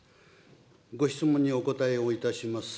ご質問にお答えをいたします。